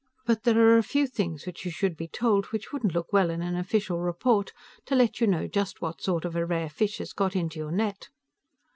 But there are a few things which you should be told, which wouldn't look well in an official report, to let you know just what sort of a rare fish has got into your net.